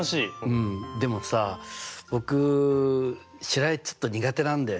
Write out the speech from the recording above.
うんでもさ僕白あえちょっと苦手なんだよね。